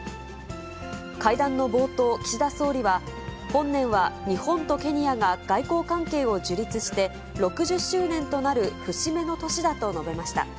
会談の冒頭、岸田総理は、本年は日本とケニアが外交関係を樹立して６０周年となる節目の年だと述べました。